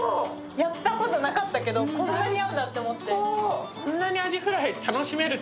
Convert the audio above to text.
やったことなかったけど、こんなに合うんだと思って。